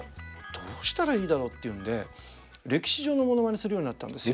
どうしたらいいだろうっていうんで歴史上のモノマネするようになったんですよ。